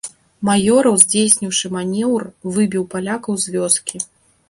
Маёраў здзейсніўшы манеўр выбіў палякаў з вёскі.